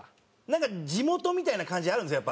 なんか地元みたいな感じあるんですよ